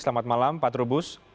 selamat malam pak trubus